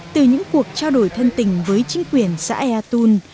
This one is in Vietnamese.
từ những cuộc trao đổi thân tình với chính quyền xã ea tôn